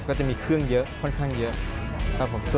ก็จะมีเครื่องเยอะค่อนข้างเยอะครับผม